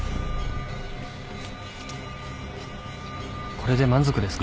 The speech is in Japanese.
これで満足ですか？